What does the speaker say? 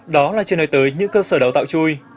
đó là trên đời tới những cơ sở đấu tạo chui